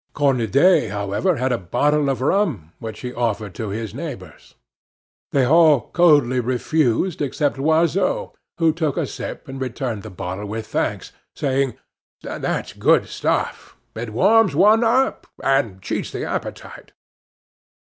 Cornudet, however, had a bottle of rum, which he offered to his neighbors. They all coldly refused except Loiseau, who took a sip, and returned the bottle with thanks, saying: "That's good stuff; it warms one up, and cheats the appetite."